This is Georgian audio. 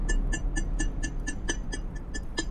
მათ ერთად გამოიკვლიეს ტანგანიიკის ტბის ჩრდილოეთ ნაწილი.